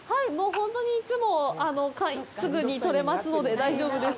本当にいつもすぐに撮れますので大丈夫です。